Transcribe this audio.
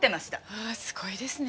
わあすごいですね。